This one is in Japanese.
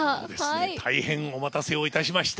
大変、お待たせをいたしました。